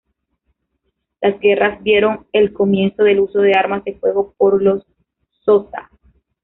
Las guerras vieron el comienzo del uso de armas de fuego por los xhosa.